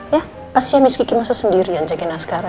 ya pastinya miss kiki masa sendirian jagain askara